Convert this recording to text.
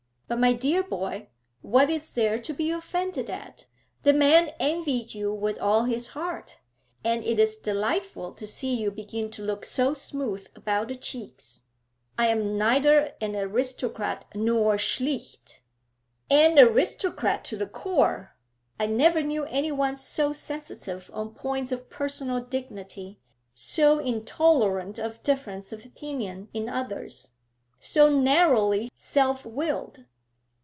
'But, my dear boy, what is there to be offended at? The man envied you with all his heart; and it is delightful to see you begin to look so smooth about the cheeks.' 'I am neither an aristocrat, nor schlicht!' 'An aristocrat to the core. I never knew any one so sensitive on points of personal dignity, so intolerant of difference of opinion in others, so narrowly self willed!